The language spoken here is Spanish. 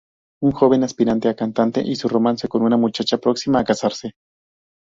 Un joven aspirante a cantante y su romance con una muchacha próxima a casarse.